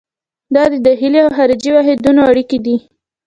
دا د داخلي او خارجي واحدونو اړیکې دي.